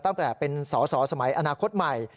ตั้งแต่เป็นสอสอสมัยอนาคตใหม่